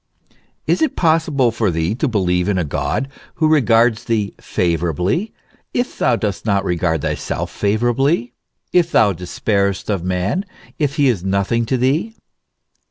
Is it possible for thee to believe in a God who regards thee favourably, if thou dost not regard thyself favourably, if thou despairest of man, if he is nothing to thee